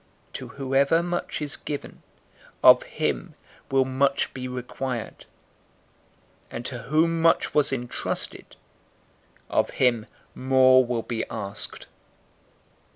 To whoever much is given, of him will much be required; and to whom much was entrusted, of him more will be asked.